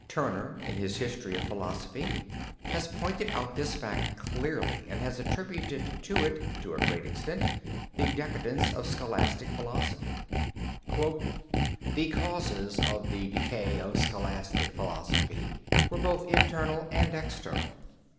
Turner in his History of Philosophy has pointed out this fact clearly and has attributed to it, to a great extent, the decadence of scholastic philosophy. "The causes of the decay of scholastic philosophy were both internal and external.